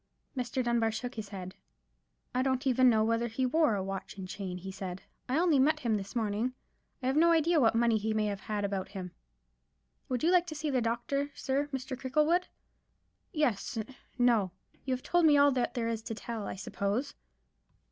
Mr. Dunbar shook his head. "I don't even know whether he wore a watch and chain," he said; "I only met him this morning. I have no idea what money he may have had about him." "Would you like to see the doctor, sir—Mr. Cricklewood?" "Yes—no—you have told me all that there is to tell, I suppose?"